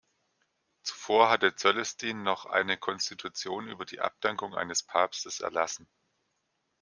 Zuvor hatte Coelestin noch eine Konstitution über die Abdankung eines Papstes erlassen.